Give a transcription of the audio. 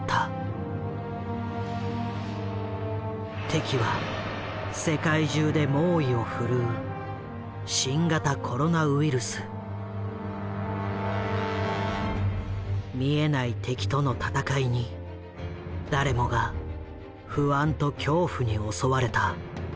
敵は世界中で猛威をふるう見えない敵との闘いに誰もが不安と恐怖に襲われた。